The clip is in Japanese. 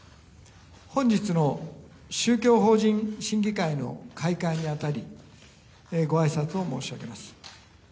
本日の宗教法人審議会の開会にあたりごあいさつを申し上げます。